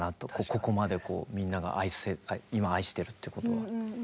ここまでこうみんなが今愛してるってことは。